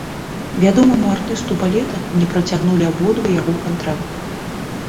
Вядомаму артысту балета не працягнулі абодва яго кантракты.